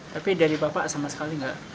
tapi dari bapak sama sekali nggak